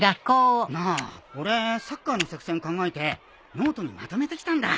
なあ俺サッカーの作戦考えてノートにまとめてきたんだ。